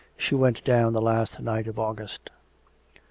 She went down the last night of August.